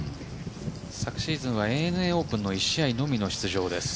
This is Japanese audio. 昨シーズンはＡＮＡオープンの１試合のみの出場です。